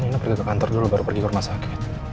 ini pergi ke kantor dulu baru pergi ke rumah sakit